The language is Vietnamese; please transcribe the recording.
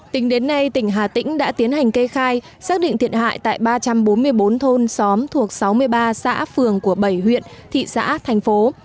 tính đến nay tỉnh hà tĩnh đã tiến hành kê khai xác định thiệt hại tại ba trăm bốn mươi bốn thôn xóm thuộc sáu mươi ba xã phường của bảy huyện thị xã thành phố